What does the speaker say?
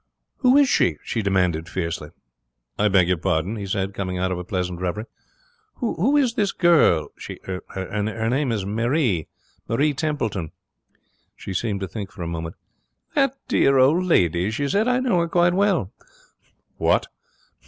'Who is she?' she demanded, fiercely. 'I beg your pardon?' he said, coming out of a pleasant reverie. 'Who is this girl?' 'She er her name her name is Marie Marie Templeton.' She seemed to think for a moment. 'That dear old lady?' she said.' I know her quite well.' 'What!'